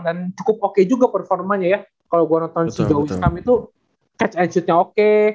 dan cukup oke juga performanya ya kalau gue nonton si joe wiskam itu catch and shoot nya oke